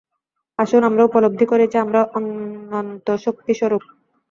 আসুন আমরা উপলব্ধি করি যে, আমরা অনন্ত শক্তিস্বরূপ।